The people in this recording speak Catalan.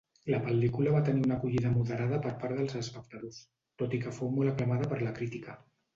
La pel·lícula va tenir una acollida moderada per part dels espectadors, tot i que fou molt aclamada per la crítica.